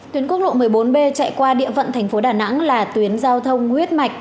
tuyến quốc lộ một mươi bốn b chạy qua địa phận thành phố đà nẵng là tuyến giao thông huyết mạch